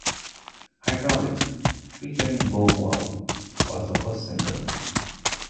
"Hydrolics", featuring Bow Wow, was the first single.